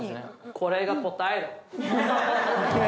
これが答えだ！